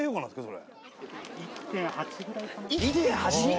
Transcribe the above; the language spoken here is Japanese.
それ。